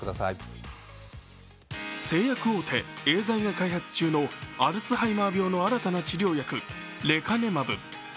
製薬大手・エーザイが開発中のアルツハイマー病の新たな治療薬レカネマブ。